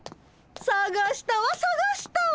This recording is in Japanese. さがしたわさがしたわ。